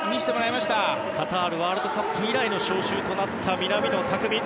カタールワールドカップ以来の招集となった南野拓実